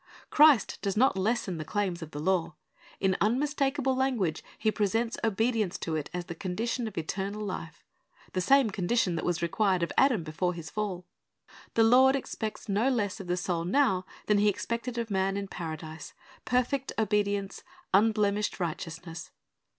Christ does not lessen the claims of the law. In unmi.s takable language He presents obedience to it as the condition of eternal life, — the same condition that was required of Adam before his fall. The Lord expects no less of the soul now than He expected of man in Paradise, perfect obedience, unblemished righteousness.